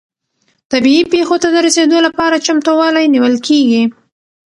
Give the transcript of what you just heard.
طبیعي پیښو ته د رسیدو لپاره چمتووالی نیول کیږي.